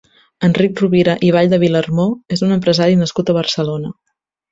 Enric Rovira i Vall de Vilarmó és un empresari nascut a Barcelona.